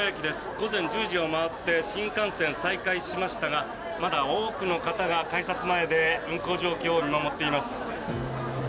午前１０時を回って新幹線、再開しましたがまだ多くの方が改札前で運行状況を見守っています。